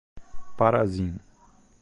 Parazinho